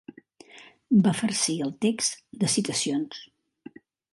Va farcir el text de citacions.